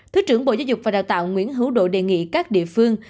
thứ trưởng bộ giáo dục và đào tạo nguyễn hữu độ đề nghị các địa phương